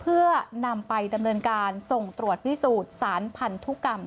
เพื่อนำไปดำเนินการส่งตรวจพิสูจน์สารพันธุกรรม